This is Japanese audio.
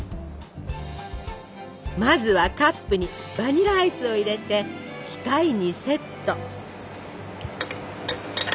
まずはカップにバニラアイスを入れて機械にセット。